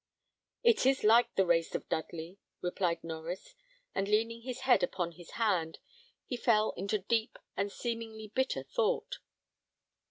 "It is like the race of Dudley," replied Norries, and leaning his head upon his hand, he fell into deep and seemingly bitter thought.